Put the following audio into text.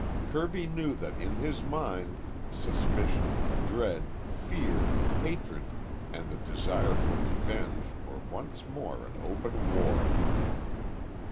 Kirby knew that in his mind suspicion, dread, fear, hatred, and the desire for revenge were once more at open war.